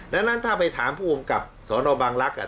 ดังนั้นถ้าไปถามผู้กำกับสนบังลักษณ์